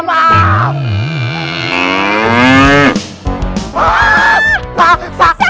bangun nih bangun